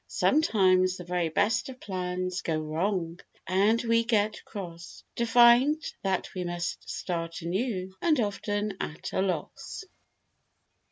Sometimes the very best of plans Go wrong, and we get cross To find that we must start anew, And often at a loss.